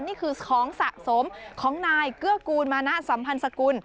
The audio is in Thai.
นี่คือของสะสมของนายเกื้อกูลมานะสัมพันธ์สกุล